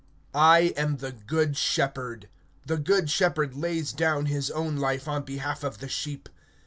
(11)I am the good shepherd. The good shepherd lays down his life for the sheep.